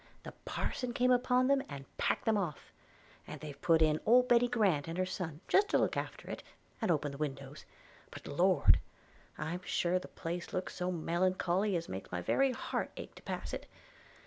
the parsons come upon them, and packed them off; and they've put in old Betty Grant and her son just to look after it, and open the windows – But, Lord! I'm sure the place looks so mollencholly as makes my very heart ach to pass it.